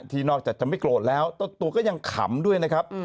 นอกจากจะไม่โกรธแล้วตัวก็ยังขำด้วยนะครับ